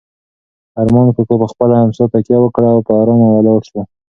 ارمان کاکا په خپله امسا تکیه وکړه او په ارامه ولاړ شو.